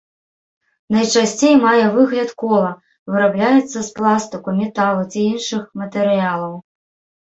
Найчасцей мае выгляд кола, вырабляецца з пластыку, металу ці іншых матэрыялаў.